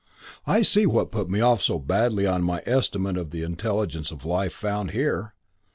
I see what put me off so badly on my estimate of the intelligence of life found here!